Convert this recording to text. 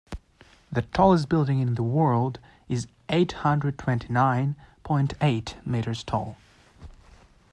The tallest building in the world is eight hundred twenty nine point eight meters tall.